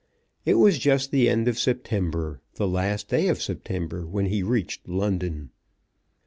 It was just the end of September, the last day of September, when he reached London.